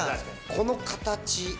この形。